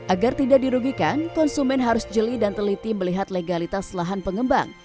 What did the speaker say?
agar tidak dirugikan konsumen harus jeli dan teliti melihat legalitas lahan pengembang